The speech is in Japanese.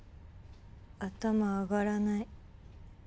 頭上がらない。